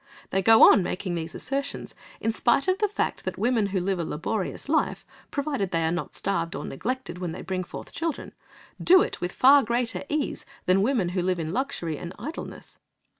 They go on making these assertions, in spite of the fact that women who live a laborious life, provided they are not starved or neglected when they bring forth children, do it with far greater ease than women who live in luxury and idleness.